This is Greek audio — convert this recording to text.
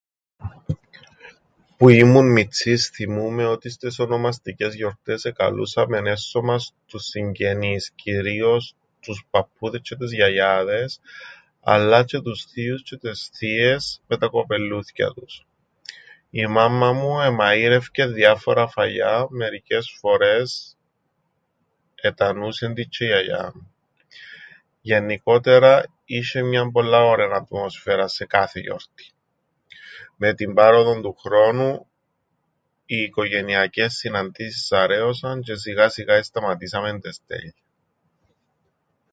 Που ήμουν μιτσής θθυμούμαι ότι στες ονομαστικές γιορτές εκαλούσαμεν έσσω μας τους συγγενείς, κυρίως τους παππούδες τζ̆αι τες γιαγιάδες, αλλά τζ̆αι τους θείους τζ̆αι τες θείες με τα κοπελλούθκια τους. Η μάμμα μου εμαείρευκεν διάφορα φαγιά, μερικές φορές ετανούσεν της τζ̆ι η γιαγιά μου. Γεννικότερα, είσ̆εν μιαν πολλά ωραίαν ατμόσφαιραν σε κάθε γιορτήν. Με την πάροδον του χρόνου, οι οικογενειακές συναντήσεις αραίωσαν τζ̆αι σιγά σιγά εσταματήσαμεν τες τέλεια.